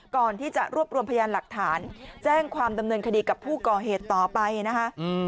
ก่อนที่จะรวบรวมพยานหลักฐานแจ้งความดำเนินคดีกับผู้ก่อเหตุต่อไปนะคะ